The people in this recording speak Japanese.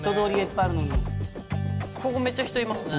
ここめっちゃ人いますね。